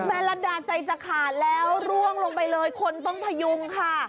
ลัดดาใจจะขาดแล้วร่วงลงไปเลยคนต้องพยุงค่ะ